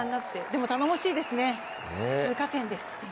でも頼もしいですね、通過点ですって。